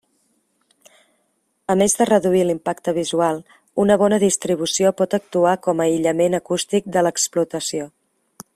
A més de reduir l'impacte visual, una bona distribució pot actuar com a aïllament acústic de l'explotació.